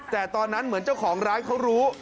แต่ตอนนั้นเหมือนเจ้าของร้านเขารู้